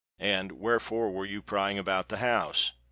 and wherefore were you prying about the house?"